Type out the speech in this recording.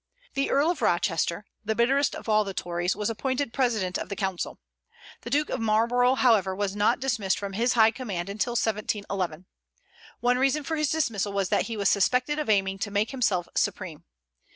The Earl of Rochester, the bitterest of all the Tories, was appointed president of the council. The Duke of Marlborough, however, was not dismissed from his high command until 1711. One reason for his dismissal was that he was suspected of aiming to make himself supreme.